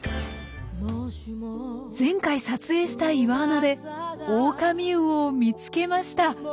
前回撮影した岩穴でオオカミウオを見つけました。